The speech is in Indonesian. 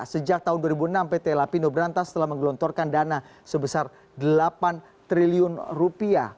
sejak tahun dua ribu enam pt lapindo berantas telah menggelontorkan dana sebesar delapan triliun rupiah